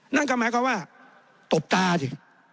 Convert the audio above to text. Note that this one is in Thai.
นั่นก็หมายความว่าตบตาสิ